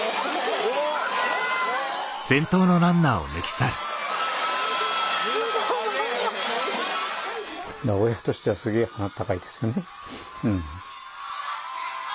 おお・親としてはすげぇ鼻高いですよね。